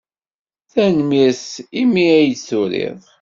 Tanemmirt imi ay d-turiḍ.